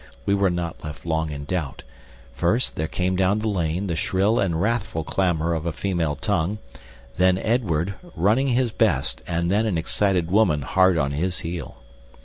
We were not left long in doubt. First, there came down the lane the shrill and wrathful clamour of a female tongue, then Edward, running his best, and then an excited woman hard on his heel.